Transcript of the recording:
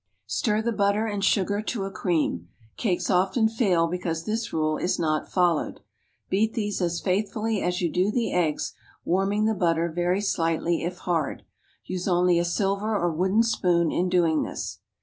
Stir the butter and sugar to a cream. Cakes often fail because this rule is not followed. Beat these as faithfully as you do the eggs, warming the butter very slightly if hard. Use only a silver or wooden spoon in doing this.